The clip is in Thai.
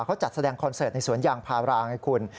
เขาจัดแสดงคอนเสิร์ตในสวนยางพาราไงคุณ